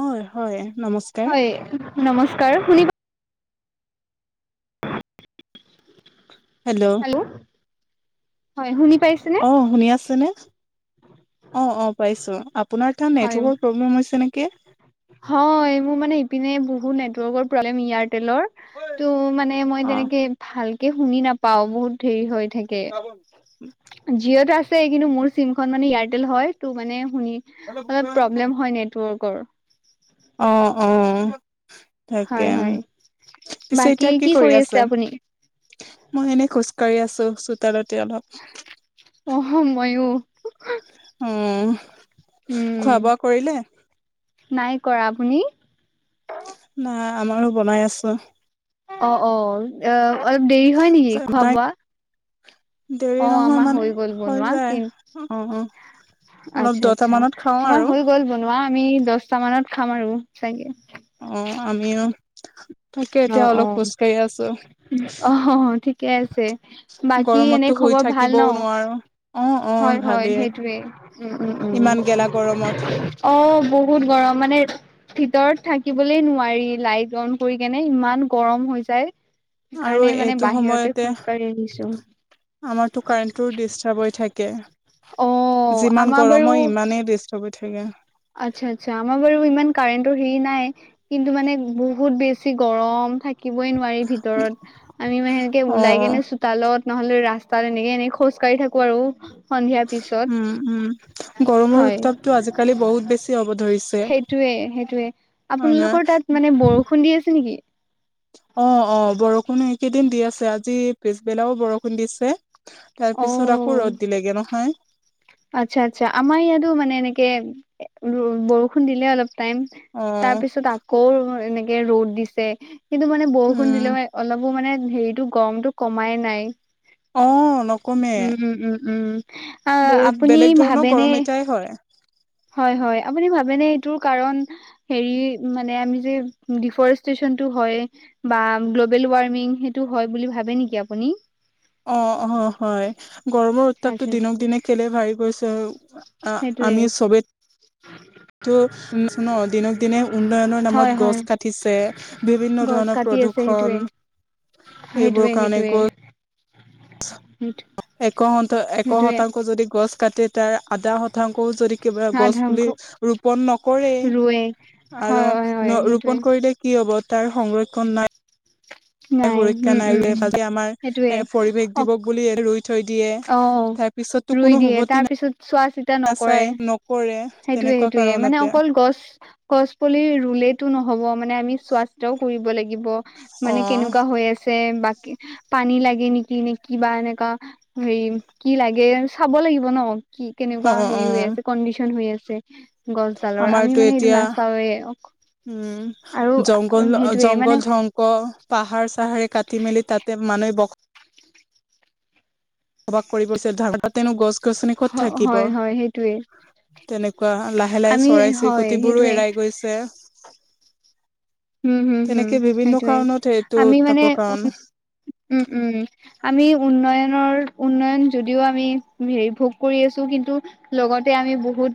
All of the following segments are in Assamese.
অঁ' হয় নমস্কাৰ। হয় নমস্কাৰ, শুনি হেল্ল' হয় শুনি পাইছেনে অঁ' শুনি আছেনে? অহ-অহ' পাইছো, আপোনাৰ তাত হয় নেটৱৰ্কৰ প্ৰব্লেম হৈছে নেকি। হয়, মোৰ মানে ইপিনে বহুত নেটৱৰ্কৰ প্ৰব্লেম এয়াৰটেলৰ। অ'। তু' মানে মই তেনেকে ভালকে শুনি নাপা পাওঁ বহুত ধিৰ হৈ থাকে। জিঅ'ত আছে কিন্তু মোৰ চিমখন মানে এয়াৰটেল হয় ত' মানে শুনি অলপ প্ৰব্লেম হয় নেটৱৰ্কৰ। অঁ অঁ। তাকে হয় উমঁ, হয় পিছে এতিয়া কি কৰি আছে? মই এনেই খোজকাঢ়ি আছো চোতালতে অলপ। অহ' মইয়ো। উমঁ' খোৱা বোৱা কৰিলে? নাই কৰা, আপুনি? নাই, আমাৰো বনাই আছো। অহ-অহ' অলপ দেৰি হয় নেকি খোৱা নাই বোৱা? দেৰি অঁ' নহয় আমাৰ মানে হৈ গ'ল বনোৱা। যায়। অ', অ', কিন্তু অলপ দহটা আচ্ছা-আচ্ছা' মানত খাওঁ আমাৰ আৰু হৈ গ'ল বনোৱা আমি দহটা মানত খাম আৰু চাগে। অঁ' আমিও। তাকে এতিয়া অলপ খোজ কাঢ়ি আছো। অহ-অহ' অহ' ঠিকে আছে। বাকী এনেই গৰমততো শুই খবৰ ভাল থাকিবও ন' নোৱাৰো। অ', অ', হয় হয় ভালেই সেইটোৱেই। ইমান গেলা গৰমত। অঁ' বহুত গৰম মানে ভিতৰত থাকিবলৈ নোৱাৰি লাইট অন কৰি কেনে ইমান গৰম হৈ যায়। আৰু সেইকাৰণে মানে এইটো বাহিৰতে সময়তে খোজকাঢ়ি আহিছো আমাৰটো কাৰেন্টটো ডিষ্টাৰ্ব হৈ থা কে। অ যিমান আমাৰ গৰম হয় ইমানেই ডিষ্টাৰ্ব হৈ থাকে। আচ্ছা-আচ্ছা' আমাৰ বাৰু ইমান কাৰেণ্টৰ হেৰি নাই। কিন্তু মানে বহুত বেছি গৰম, থা থাকিবই নোৱাৰি ভিতৰত। আমি মানে সেনেকে ওলাই অ', কেনে চ'ব [inaudible] চোতালত নহলে ৰাস্তাত এনেকে-এনেকে খোজকাঢ়ি থাকো আৰু। [inaudible] সন্ধিয়াৰ পিছত। [unintelligible] উম-উম! গৰমৰ হয় উত্তাপটো আজিকালি বহুত বেছি হ'ব ধৰিছে। [inaudible] সেইটোৱে-সেইটোৱে। হয় নাই? আপোনালোকৰ তাত মানে বৰষুণ দি আছে নেকি? [inaudible] অঁ-অঁ! বৰষুণো এইকেইদিন দি আছে। আজি পিছবেলাও বৰষুণ দিছে। [unintelligible] তাৰ অ পিছত আকৌ ৰ'দ দিলেগে নহয়। [unintelligible] আচ্ছা-আচ্ছা। আমাৰ ইয়াতো মানে এনেকে বৰষুণ দিলে অলপ। [unintelligible] টাইম, তাৰ অ'। পিছত আকৌ এনেকে ৰ'দ দিছে। কিন্তু মানে বৰষুণ উম, দিলেওঁ [inaudible] অলপো মানে হেৰিটো গৰমটো কমাই নাই। [inaudible] অঁ! নকমে উম, উম, উম, উম, আহ বহুত আপুনি বেলেগ ধৰণৰ গৰম এটাই হয়। [unintelligible] হয়-হয়। আপুনি ভাবে নে এইটোৰ কাৰণ [unintelligible] হেৰি মানে, আমি যে ডিফৰেষ্ট্ৰেশচনটো হয়। [unintelligible] বা গ্ল'বেল ৱাৰ্মিং সেইটো হয় বুলি ভাবে নেকি আপুনি? [inaudible] অঁ-অঁ! হয়, গৰমৰ উত্তাপটো আচ্ছা, দিনক দিনে কেলে বাঢ়ি গৈছে [inaudible] অঁ! সেইটোয়ে আমি চবে [unintelligible] ত' উন্নয়ন দিনক দিনে উন্নয়নৰ হয়, নামত হয়, গছ কাটিছে। [unintelligible] বিভিন্ন ধৰণৰ প্ৰদূষণ। [inaudible] সেইটোৱে-সেইটোৱে। [unintelligible] হয় [unintelligible] [unintelligible] [unintelligible] এক সেইটোয়ে শতাংশ যদি গছ কাটি তাৰ আধা শতাংশও যদি কিবা গছ সাধাংশ পুলি ৰোপন ৰুৱে নকৰেয়েই হয়, আৰু হয়, হয়, ন সেইটোয়ে ৰোপন কৰিলে [inaudible] কি হ'ব তাৰ সংৰক্ষণ নাই। [inaudible] নাই সুৰক্ষা উম, নাই উম, উম, [inaudible] খালি আমাৰ এ পৰিৱেশ দিৱস বুলি [unintelligible] অঁ! তাৰ পিছততো ৰুই কোনো দিয়ে। উভতি তাৰ পিছত চোৱা চিতা নকৰে। নাচায় [unintelligible] নকৰে তেনেকুৱা সেইটোৱে-সেইটোৱে মানে কাৰণতে অকল গছ-গছ পুলি ৰুলেইটো নহ'ব মানে আমি [inaudible] চোৱা-চিতাও কৰিব লাগিব অ মানে কেনেকুৱা হৈ আছে বা [inaudible] পানী লাগে নেকি নে কি বা এনেকা হেৰি কি লাগে চাব লাগিব ন। [inaudible] কি [unintelligible] অ কেনেকুৱা হেৰি হৈ অ আছে কণ্ডিশন হৈ আছে। গছডালৰ আমি আমাৰতো মানে এইটো এতিয়া নাচাওঁৱেই। [inaudible] উম! জংগল জংল মানে [unintelligible] আকৌ পাহাৰ-চাহাৰে কাটি মেলি তাতে মানুহে বস- [inaudible] বসবাস কৰিব ধৰিছে। তাতেনো গছ-গছনি ক'ত থাকিব? হয় হয় সেইটোয়ে [inaudible] তেনেকুৱা, লাহে-লাহে আমি হয় চৰাই-চিৰিকটিবোৰো সেইটোয়ে এৰাই গৈছে। [inaudible] হুম-হুম-হুম! তেনেকে বিভিন্ন সেইটোৱেই কাৰণত সেইটো আমি মানে উত্তাপৰ কাৰণ উম-উম। [inaudible] আমি উন্নয়নৰ উন্নয়ন যদিও আমি হেৰি ভোগ কৰি আছো কিন্তু [inaudible] লগতে আমি বহুত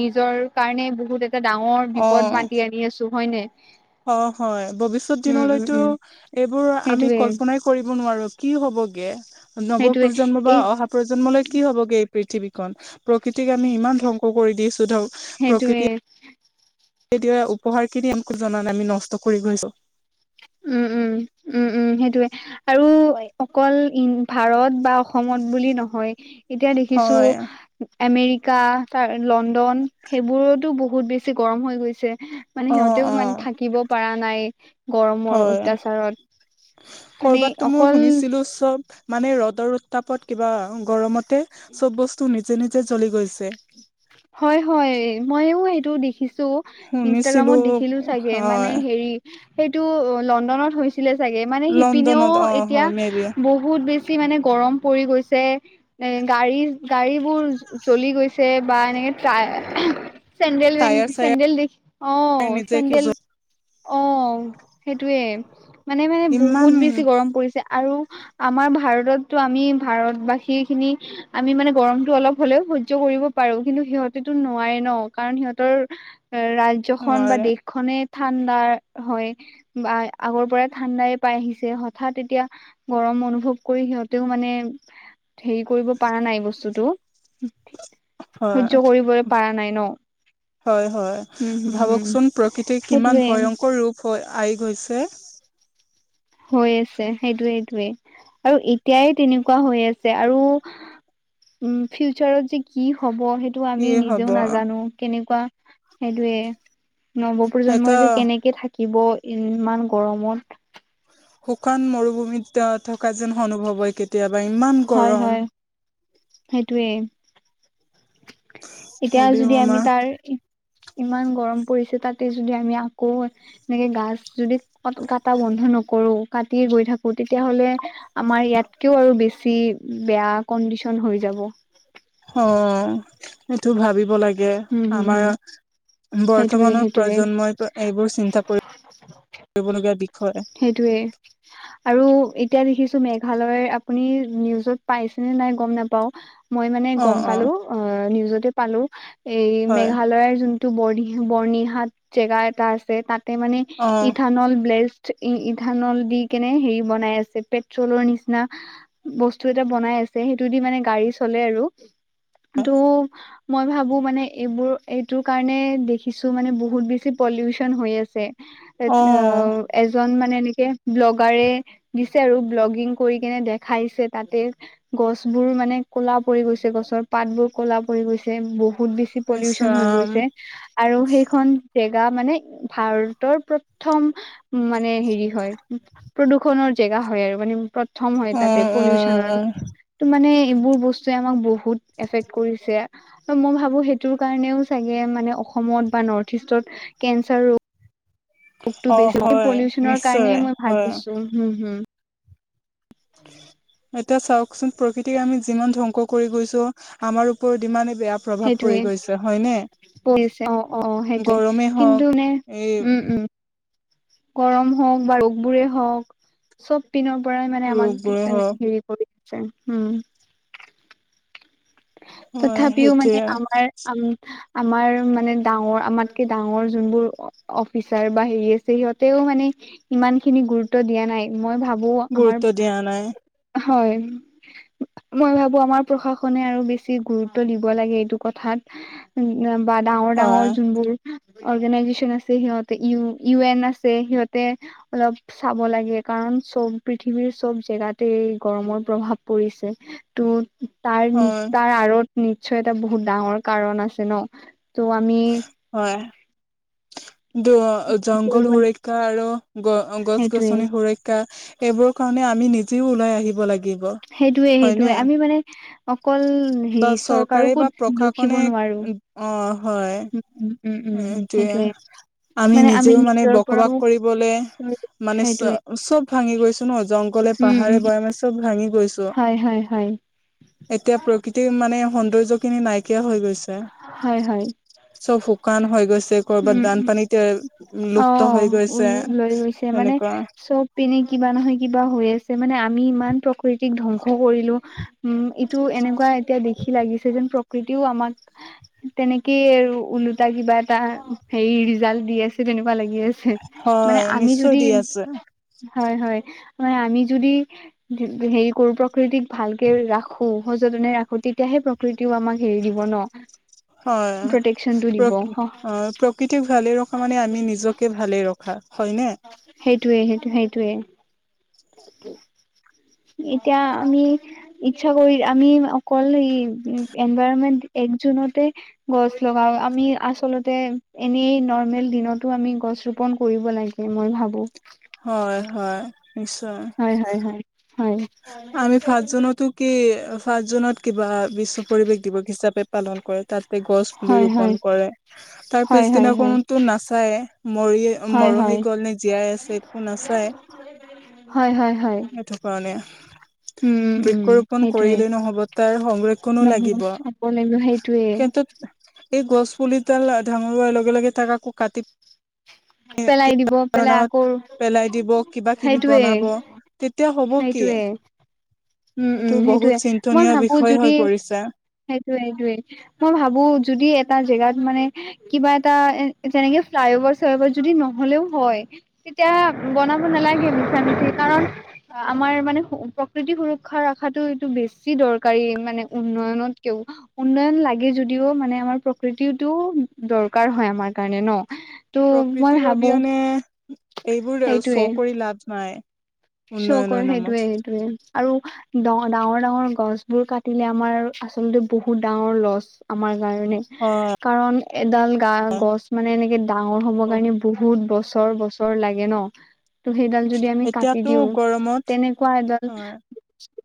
নিজৰ কাৰণে বহুত [inaudible] এটা ডাঙৰ বিপদ মাতি আনি আছোঁ হয় নে নাই? [unintelligible] অঁ হয়। ভৱিষ্যত উম, দিনলৈতো উম, এইবোৰ আমি সেইটোয়ে কল্পনাই [inaudible] কৰিব নোৱাৰোঁ কি হ'বগে নৱ সেইটোয়ে প্ৰজন্ম বা এই অহা প্ৰজন্মলৈ কি হ'বগৈ। [inaudible] পৃথিৱীখন। প্ৰকৃতিক আমি ইমান ধ্বংস কৰি দিছোঁ ধৰ প্ৰকৃতি [inaudible] [unintelligible] তেতিয়া, উপহাৰ কি দিম একো জনা নাই আমি নষ্ট কৰি গৈছোঁ। [inaudible] উম-উম-উম-উম! সেইটোৱে। [unintelligible] আৰু অকল ভাৰত বা অসমত বুলি নহয়। এতিয়া দেখিছোঁ। হয় আমেৰিকা তাৰ লণ্ডন সেইবোৰোতো বহুত বেছি গৰম হৈ গৈছে। মানে অ সিহঁতেও অ মানে থাকিব পৰা নাই গৰম। হয় মানে কৰবাতটো মই অকল শুনিছিলো চব মানে ৰ'দৰ উত্তাপত কিবা গৰমতে চব বস্তু নিজে নিজে জ্বলি গৈছে হয় হয় মইও সেইটো দেখিছো শুনিছিলো ইনষ্টাগ্ৰামত দেখিলো চাগে মানে হয় হেৰি সেইটো লণ্ডনত হৈছিলে চাগে মানে শিপিনেও লণ্ডনত অ এতিয়া হয় মে বি বহুত বহুত বেছি মানে গৰম পৰি গৈছে এ গাড়ী গাড়ী বোৰ জ জ্বলি গৈছে বা এনেকে তাই চেণ্ডেল বেণ্ড টায়াৰ চায়াৰ চেণ্ডেল দে অ নিজে চেণ্ডেল অ সেইটোয়ে মানে মানে কিমান বহুত বেছি গৰম পৰিছে আৰু আমাৰ ভাৰততটো আমি ভাৰতবাসী খিনি আমি মানে গৰমতটো অলপ হ'লেও সহ্য কৰিব পাৰো কিন্তু সিহতেতো নোৱাৰে ন কাৰণ সিহঁতৰ ৰাজ্যখন বা নোৱাৰে দেশ খনে ঠাণ্ডাৰ হয় বা আগৰ পৰাই ঠাণ্ডাই পাই আহিছে হঠাৎ এতিয়া গৰম অনুভৱ কৰি সিহঁতেও মানে হেৰি কৰিব পাৰা নাই বস্তুটো [unintelligible] সহ্য কৰিবই পাৰা নাই ন। হয়, হয় উম হম হম ভাবকচোন প্ৰকৃতি কিমান সেইটোৱে ভয়ংকৰ ৰূপ হৈ আহি গৈছে। হৈ আছে। সেইটোয়ে সেটোয়ে আৰু এতিয়াই তেনেকুৱা হৈ আছে আৰু। উম' ফিউচাৰত যে কি হ'ব সেইটো। টো কি আমি হব নিজেও নাজানো কেনেকুৱা সেইটোৱে এটা নৱপ্ৰজন্মই যে কেনেকে থাকিব ইমান গৰমত শুকান মৰুভূমিত ত থকা যেন অনুভৱ হয় কেতিয়াবা ইমান গৰম সেইটোৱেই এতিয়া হ'লেও যদি আমি আমাৰ তাৰ ই ইমান গৰম পৰিছে তাতে যদি আমি আকৌ এনেকে গাছ যদি ক কাটা বন্ধ নকৰো কাটি গৈ থাকো তেতিয়াহ'লে আমাৰ ইয়াতকেও আৰু বেছি বেয়া কণ্ডিচন হৈ যাব অ সেইটো ভাবিব লাগে হম গে হম আমাৰ হম সেইটোয়ে বৰ্তমানৰ সেইটোয়ে প্ৰজন্মই এইবোৰ চিন্তা কৰি কৰিবলগীয়া বিষয় সেইটোৱেই আৰু এতিয়া দেখিছো মেঘালয় আপুনি নিউজত পাইছেনে নাই গম নাপাও মই মানে গম পালো অ নিউজতে পালো এই হয় মেঘালয়ৰ যোন টো বৰদি বৰ্ণিহাট জেগা এটা আছে তাতে মানে অ ইথানল ব্লেষ্ট ত্ৰি ইথানল দি কেনে হেৰি বনাই আছে পেট্ৰলৰ নিচিনা বস্তু এটা বনাই আছে সেইটো দি মানে গাড়ী চলে আৰু কিন্তু মই ভাবো মানে এইবোৰ এইটোৰ কাৰণে দেখিছো মানে বহুত বেছি পলিউচন হৈ আছে এত অ নও এজন মানে এনেকে ব্লগাৰে দিছে আৰু ব্লগিং কৰি কেনে দেখাইছে তাতে গছ বোৰ মানে ক'লা পৰি গৈছে গছৰ পাত বোৰ ক'লা পৰি গৈছে বহু বহুত বেছি পলিউচন হৈ ইছৰাম গৈছে আৰু সেইখন জেগা মানে ভাৰতৰ প্ৰথম উ মানে হেৰি হয় প্ৰদূষণৰ জেগা হয় আৰু মানে। প্ৰথম হয় অ তাতে পলিউশনৰ অ ত মানে এইবোৰ বস্তুৱে আমাক বহুত এফেক্ট কৰিছে। মই ভাবো সেইটোৰ কাৰণেওাগে মানে অসমত বা নৰ্থ ইষ্টত কেন্সাৰ ৰোগ, ৰোগটো অ বেছি হয় পলিউশনৰ কাৰণে নিশ্চয় মই হয় ভাবিছো হম হম [inaudible] এতিয়া চাওকচোন প্ৰকৃতি আমি যিমান ধ্বংস কৰি গৈছো আমাৰ ওপৰত ইমান বেয়া প্ৰভাৱ সেইটোয়ে পৰি গৈছে হয়নে। পৰিছে অ অ অ সেইটোৱে গৰমেই হওক কিন্তু নে এই উম উম গৰম হওক বা ৰোগবোৰে হওক চব পিনৰ পৰাই মানে আমাক ৰোগবোৰে তে হওক হেৰি কৰি আছে উম হয় তথাপিও সেইটোৱে মানে আমাৰ আমাৰ মানে ডাঙৰ আমাতকে ডাঙৰ যোনবোৰ অফিচাৰ বা হেৰি আছে সিহঁতেও মানে ইমান খিনি গুৰুত্ব দিয়া নাই মই ভাবো আমাৰ- গুৰুত্ব দিয়া নাই। হয়। মই ভাবো আমাৰ প্ৰশাসনে আৰু বেছি গুৰুত্ব দিব লাগে এইটো কথাত উ বা ডাঙৰ ডাঙৰ হয় যোনবোৰ। অৰ্গেনাইজেচন আছে সিহতে ই ইউ এন আছে সিহঁতে অলপ চাব লাগে কাৰণ চব পৃথিৱীৰ চব জেগাত গৰমৰ প্ৰভাৱ পৰিছে তো তাৰ নি হয় তাৰ আঁৰত নিশ্চয় এটা বহুত ডাঙৰ কাৰণ আছে ন- ত' আমি হয় দুয় জংঘল, কৰিব সুৰে আৰু গ গছ সেইটোয়ে গছনি সুৰক্ষা এইবোৰৰ কাৰণে আমি নিজেও ওলাই আহিব লাগিব। সেইটোয়ে হয়নে সেইটোয়ে আমি মানে অকল হেৰি বা চৰকাৰে চৰকাৰকো বা দুখিব প্ৰশাসনে নোৱাৰো অ হয়। উম উম উম এটোয়ে সেইটোয়ে আমি মানে নিজেও মানে নিজৰ বসবাস পৰাও কৰিবলে মানে চ সেইটোয়ে চব ভাঙি গৈছো ন জংঘলে উম পাহাৰে উম বয়ামে চব ভাঙি গৈছো। হয় হয় হয়। এতিয়া প্ৰকৃতিৰ মানে সৌন্দৰ্য খিনি নাইকিয়া হৈ গৈছে। হয় হয়। চব শুকান হৈ গৈছে। উম কৰ'বাত দান পানীতে অ লুপ্ত হৈ উ গৈছে লৈ গৈছে মানে সনেকুৱা। চব পিনে কিবা নহয় কিবা হৈ আছে মানে আমি ইমান প্ৰকৃতিক ধ্বংস কৰিলো। উম ইটো এনেকুৱা এতিয়া দেখি লাগিছে যেন প্ৰকৃতিও আমাক। তেনেকেই আৰু ওলোটা কিবা এটা হেৰি ৰিজাল্ট দি আছে তেনেকুৱা লাগি আছে। মানে হয় আমি নিশ্চয় যদি দি আছে হয় হয় মানে আমি যদি হেৰি কৰো প্ৰকৃতিক ভালকে ৰাখো সযতনে ৰাখো তেতিয়াহে প্ৰ প্ৰকৃতিও আমাক হেৰি দিব ন হয় প্ৰটেকচনটো দিব প্ৰকৃ অ অ প্ৰকৃতিক ভালে ৰখা মানে আমি নিজকে ভালে ৰখা হয়নে। সেইটোয়ে সেইটো সেইটয়ে। [inaudible] এতিয়া আমি ইচ্ছা কৰি আমি অকল এই এনভাইৰমেন্ট এক জুনতে গছ লগাও আমি আচলতে এনেই নৰ্মেল দিনতো আমি গছ ৰোপন কৰিব লাগে। ও মই ভাবোঁ হয় হয় নিশ্চয় হয় হয় হয় হয় আমি পাঁচজনতো কি ফাৰ্ষ্ট জুনত কিবা বিশ্ব পৰিৱেশ দিৱস হিচাপে পালন কৰে তাতে গছ পুলি হয় ৰোপন কৰে তাৰ হয় পিছদিনা হয় হয় হয় কোনোতো নাচায় মৰি হয় মৰহি হয় গ'ল নে জীয়াই আছিল নাচায় হয় হয় হয় সেইটো কাৰণে উম উম বৃক্ষৰোপন সেইটোৱে কৰিলেই নহব তাৰ সংৰক্ষণো লাগিব নগছ চাব লাগিব সেইটোয়ে কিন্তু এই গছ পুলিডাল ডাঙৰ হোৱা লগে লগে তাক আকৌ কাটি পেলাই দিব পেলাই কাৰনত আকৌ পেলাই দিব কিবা কিবি সেইটোয়ে বনাব তেতিয়া হ'ব কি সেইটোয়ে উম এইটো উম বহুত সেইটোয়ে মই চিন্তনীয় ভাবো বিষয় যদি হৈ পৰিছে। সেইটোয়ে সেইটোয়ে মই ভাবো যদি এটা জেগাত মানে কিবা এটা এ তেনেকে ফ্লাইঅভাৰ চাইঅভাৰ যদি নহলেও হয় তেতিয়া বনাব নালাগে মিছা মিছি কাৰণ আমাৰ মানে প্ৰকৃতি সুৰপ ৰ্ষা ৰখাটো এইটো বেছি দৰকাৰী মানে উন্নয়নতকেও উন্নয়ন লাগে যদিও মানে আমাৰ প্ৰকৃতিটো দৰকাৰ হয় আমাৰ কাৰণে ন ত' মই প্ৰকৃতিৰ ভাবো অবিহনে এইবোৰ চৌ কৰি লাভ নাই শ' উন্নয়নৰ কৰ নামত। সেইটোৱে সেইটোৱে আৰু ড ডাঙৰ ডাঙৰ গছ বোৰ কাটিলে আমাৰ আচলতে বহুত ডাঙৰ লছ আমাৰ কাৰণে হয় কাৰণ এডাল গা গছ মানে এনেকে ডাঙৰ হ'ব কাৰণে বহুত বছৰ বছৰ লাগে ন ত সেইডাল যদি আমি কাটি এতিয়াতো দিও গৰমত তেনেকুৱা এডাল হয়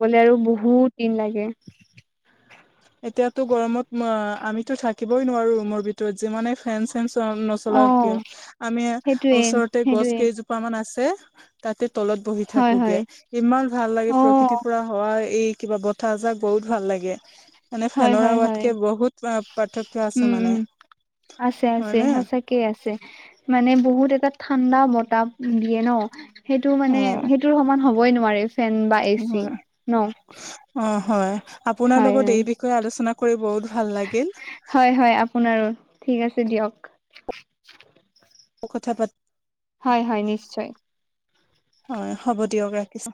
গলে আৰু বহুত দিন লাগে এতিয়াতো গৰমত আমিতো থাকিবই নোৱাৰো ৰুমৰ ভিতৰত যিমানে ফেন্ অ নচলাও কিয় আমি সেইটোৱে ওচৰতে গছ সেইটোৱে কেইজোপা মান আছে তাতে তলত বহি হয় হয় থাকোগে ইমান ভাল অ লাগে প্ৰকৃতিৰ পুৰা হোৱা এই কিবা বতাহজাক বহুত ভাল লাগে মানে হয় ফেনৰ হয় হয় আৱাতকে বহুত পাৰ্থক্য আছে উম উ মানে আছে আছে হয়নে সচাক ঠিক আছে মানে বহুত এটা ঠাণ্ডা বতাহ দিয়ে ন সেইটো অ মানে সেইটো সমান হ'বই নোৱাৰে ফেন বা এ চি ন অ হয় আপোনাৰ হয় লগত হয় এই বিষয়ে আলোচনা কৰি বহুত ভাল লাগিল হয় হয় আপোনাৰো ঠিক আছে দিয়ক কথা পাতি হয় হয় নিশ্চয় হয় হ'ব দিয়ক ৰাখিছো